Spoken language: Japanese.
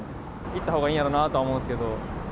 行ったほうがいいんやろうなとは思うんですけど。